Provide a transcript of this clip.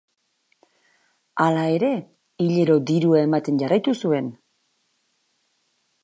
Hala ere, hilero dirua ematen jarraitu zuen.